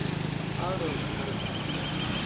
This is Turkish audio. Ağır ol bakalım.